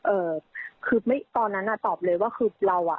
เอ่อคือตอนนั้นตอบเลยว่าคือเรา